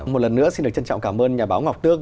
một lần nữa xin được trân trọng cảm ơn nhà báo ngọc tước